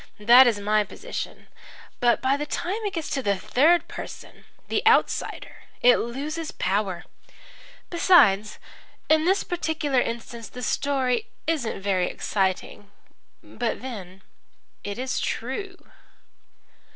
That is my position. But by the time it gets to the third person the outsider it loses power. Besides, in this particular instance the story isn't very exciting. But then it's true."